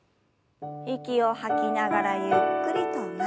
息を吐きながらゆっくりと前に。